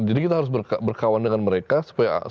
jadi kita harus berkawan dengan mereka kita harus melawan mereka